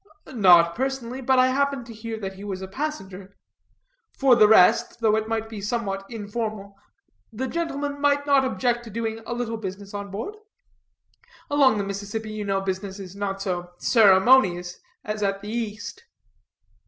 "Not personally. I but happened to hear that he was a passenger. For the rest, though it might be somewhat informal, the gentleman might not object to doing a little business on board. Along the Mississippi, you know, business is not so ceremonious as at the East."